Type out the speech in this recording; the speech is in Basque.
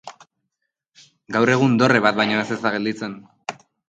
Gaur egun dorre bat baino ez da gelditzen.